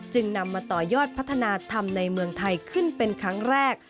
จึงนำมาต่อยอดพัฒนาธรรมในเมืองไทยขึ้นเป็นครั้งแรก